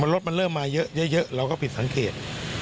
รถมันเริ่มมาเยอะเราก็ผิดสังเกต